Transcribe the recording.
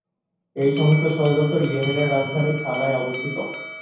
এই সংস্থার সদর দপ্তর ইয়েমেনের রাজধানী সানায় অবস্থিত।